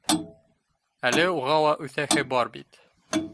Әле уға ла үҫәһе бар бит